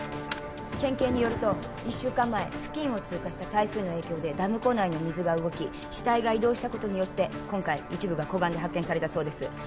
県警によると１週間前付近を通過した台風の影響でダム湖内の水が動き死体が移動したことによって今回一部が湖岸で発見されたそうです